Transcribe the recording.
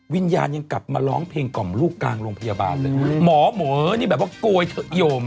วิญญาณยังกลับมาร้องเพลงกล่อมลูกกลางโรงพยาบาลเลยหมอหมอนี่แบบว่าโกยเถอะโยม